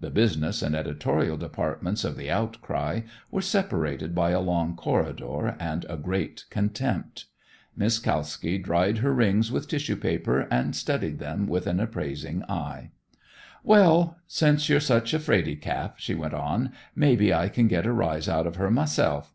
The business and editorial departments of "The Outcry" were separated by a long corridor and a great contempt. Miss Kalski dried her rings with tissue paper and studied them with an appraising eye. "Well, since you're such a 'fraidy calf,'" she went on, "maybe I can get a rise out of her myself.